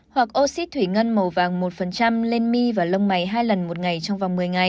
hoặc ô xít thủy ngân màu vàng một lên mi và lông mày hai lần một ngày trong vòng một mươi ngày